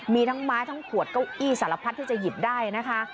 มีทั้งไม้ทั้งขวดเก้าอี้สารพัดที่จะหยิบได้นะคะ